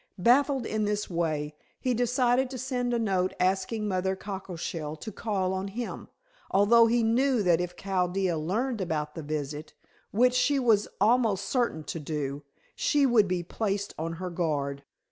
Baffled in this way, he decided to send a note asking Mother Cockleshell to call on him, although he knew that if Chaldea learned about the visit which she was almost certain to do she would be placed on her guard.